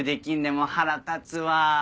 もう腹立つわ。